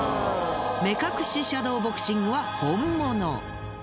目隠しシャドーボクシングは本物。